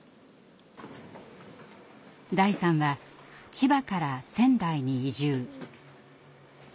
大さんは千葉から仙台に移住。